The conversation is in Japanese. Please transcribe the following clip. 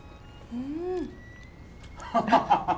うん！